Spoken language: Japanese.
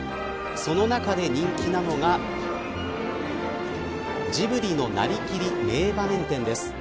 その中で人気なのがジブリのなりきり名場面展です。